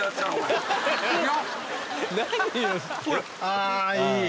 あいい。